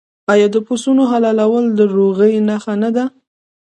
آیا د پسونو حلالول د روغې نښه نه ده؟